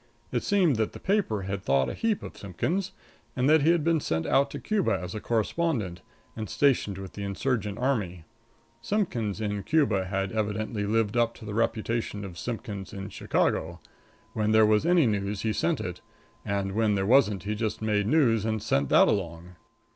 It seemed that the paper had thought a heap of Simpkins, and that he had been sent out to Cuba as a correspondent, and stationed with the Insurgent army. Simpkins in Cuba had evidently lived up to the reputation of Simpkins in Chicago. When there was any news he sent it, and when there wasn't he just made news and sent that along.